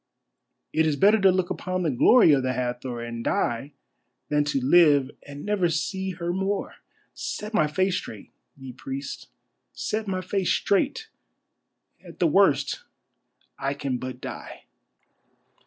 It is better to look upon the glory of the Hathor and die than to live and never see her more. Set my face straight, ye priests, set my face straight, at the worst I can but die."